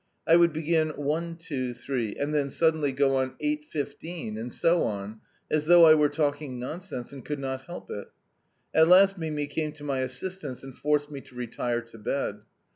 I would begin 'One two three ' and then suddenly go on ' eight fifteen,' and so on, as though I were talking nonsense and could not help it. At last Mimi came to my assistance and forced me to retire to bed.